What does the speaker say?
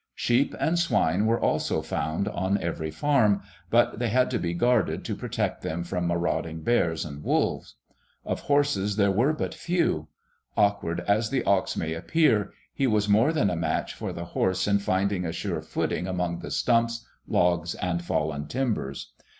Sheep and swine were also found on every farm, but they had to be guarded to protect them from marauding bears and wolves. Of horses there were but few. Awkward as the ox may appear, he was more than a match for the horse in finding a sure footing among the stumps, logs, and fallen timbers.